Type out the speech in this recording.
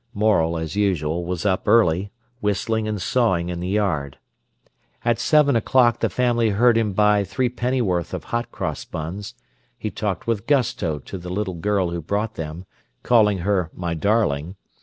Morel, as usual, was up early, whistling and sawing in the yard. At seven o'clock the family heard him buy threepennyworth of hot cross buns; he talked with gusto to the little girl who brought them, calling her "my darling".